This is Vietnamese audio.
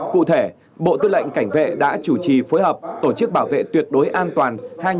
cụ thể bộ tư lệnh cảnh vệ đã chủ trì phối hợp tổ chức bảo vệ tuyệt đối an toàn